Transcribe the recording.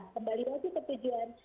kembali lagi ke tujuan